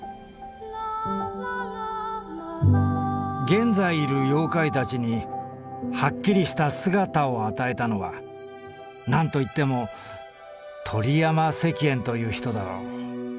「現在いる妖怪たちにはっきりしたすがたをあたえたのはなんといっても鳥山石燕という人だろう。